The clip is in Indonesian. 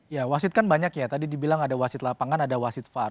ya wasit kan banyak ya tadi dibilang ada wasit lapangan ada wasit far